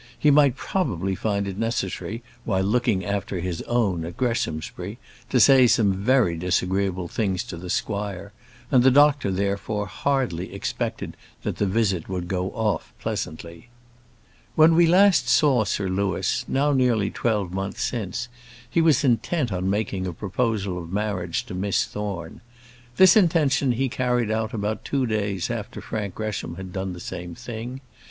He might probably find it necessary while looking after his own at Greshamsbury, to say some very disagreeable things to the squire; and the doctor, therefore, hardly expected that the visit would go off pleasantly. When last we saw Sir Louis, now nearly twelve months since, he was intent on making a proposal of marriage to Miss Thorne. This intention he carried out about two days after Frank Gresham had done the same thing.